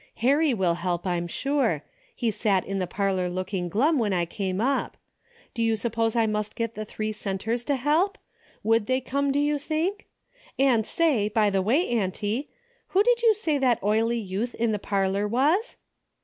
Harry will help, I'm sure. He sat in the parlor looking glum when I came up. Do you suppose I must get the three centers to help? Would they come, do you think ? And say, by the way, auntie, who did you say that oily youth in the parlor was